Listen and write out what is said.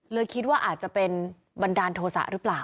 เลยคิดว่าอาจจะเป็นบักดารโธสะรึเปล่า